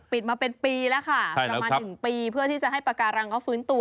มาเป็นปีแล้วค่ะประมาณ๑ปีเพื่อที่จะให้ปากการังเขาฟื้นตัว